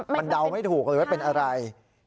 มันเดาไม่ถูกเลยว่าเป็นอะไร